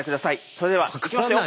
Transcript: それではいきますよ。